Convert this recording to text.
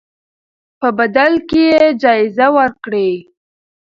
په بدل کې یې جایزه ورکړئ.